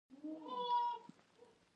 په افریقا کې لومړني بنسټونه ډېر متفاوت و.